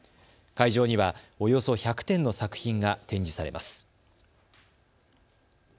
会場にはおよそ１００点の作品が展示されます。